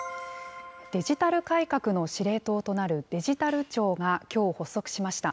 デジタル改革の司令塔となるデジタル庁がきょう発足しました。